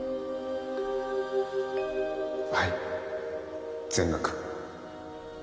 はい全額。